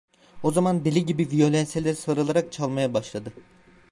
O zaman deli gibi viyolonsele sarılarak çalmaya başladı.